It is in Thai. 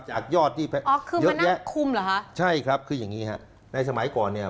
ใช่ครับคืออย่างนี้ครับในสมัยก่อนเนี่ย